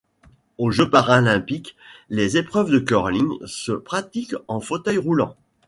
Aux Jeux paralympiques, les épreuves de curling se pratiquent en fauteuil roulant.